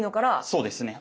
そうですね。